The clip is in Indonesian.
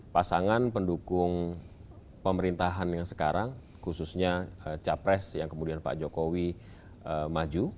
pasangan pendukung pemerintahan yang sekarang khususnya capres yang kemudian pak jokowi maju